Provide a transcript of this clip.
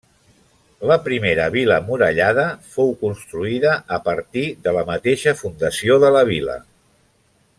La primera vila murallada fou construïda a partir de la mateixa fundació de la vila.